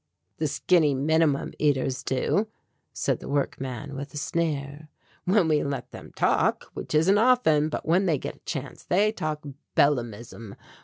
"The skinny minimum eaters do," said the workman with a sneer, "when we let them talk, which isn't often, but when they get a chance they talk Bellamism.